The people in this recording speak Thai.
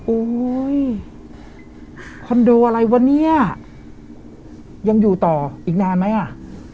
โอ้โหคอนโดอะไรวะเนี่ยยังอยู่ต่ออีกนานไหมอ่ะ